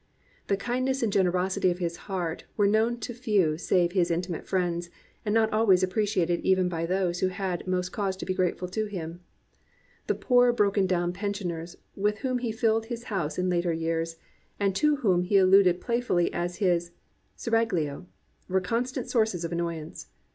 The kindness and generosity of his heart were known to few save his intimate friends, and not always appreciated even by those who had most cause to be grateful to him. The poor broken down pensioners with whom he filled his house in later years, and to whom he alluded playfully as his se raglioy were a constant source of annoyance.